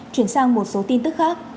chuyển sang một số tin tức khác